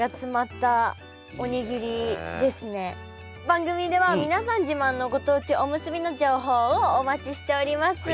番組では皆さん自慢のご当地おむすびの情報をお待ちしております。